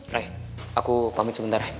rai aku pamit sebentar ya